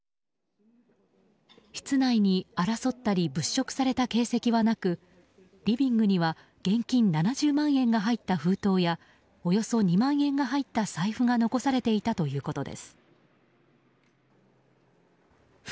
室内に争ったり物色された形跡はなくリビングには現金７０万円が入った封筒やおよそ２万円が入った財布が残されていたということです。